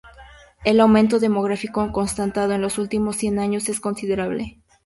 El aumento demográfico constatado en los últimos cien años es considerable.